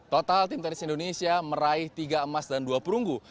total tim tenis indonesia meraih tiga emas dan dua perunggu